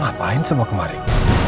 elsa ngapain semua kemarin